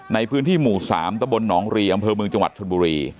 ในพื้นที่หมู่๓ตะบลหนองรีอำเภอเมืองจังหวัดชนบุรี